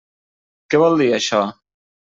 Què vol dir això?